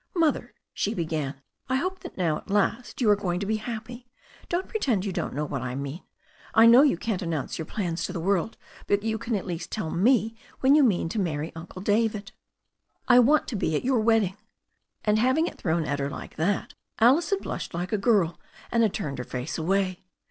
"Mother," she began, "I hope that now at last you are going to be happy. Don't pretend you don't know what I mean. I know you can't announce your plans to the world, but you can at least tell me when you mean to marry Uncle David. I want to be at your wedding." And having it thrown at her like that, Alice had blushed like a girl, and had turned her face away.